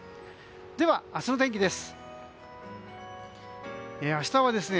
では、明日の天気です。